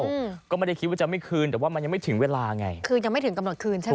อืมก็ไม่ได้คิดว่าจะไม่คืนแต่ว่ามันยังไม่ถึงเวลาไงคืนยังไม่ถึงกำหนดคืนใช่ไหม